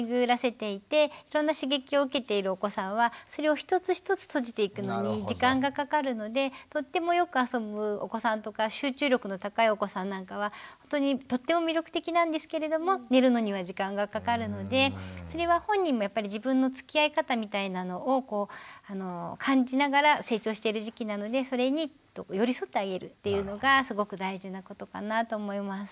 よくやっぱり寝つきが悪い保護者の方から質問がある時によく話してるんですけれどもとってもよく遊ぶお子さんとか集中力の高いお子さんなんかは本当にとっても魅力的なんですけれども寝るのには時間がかかるのでそれは本人もやっぱり自分のつきあい方みたいなのを感じながら成長している時期なのでそれに寄り添ってあげるっていうのがすごく大事なことかなと思います。